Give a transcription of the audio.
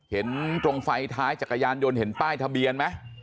เห็นตรงไฟท้ายจักรยานยนต์เห็นป้ายทะเบียนไหม